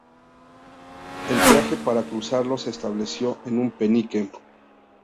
El peaje para cruzarlo se estableció en un penique.